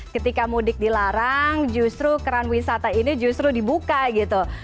ketika mudik dilarang justru keran wisata ini justru dibuka gitu